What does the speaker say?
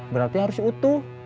berarti harus utuh